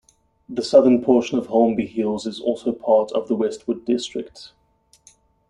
The southern portion of Holmby Hills is also part of the Westwood district.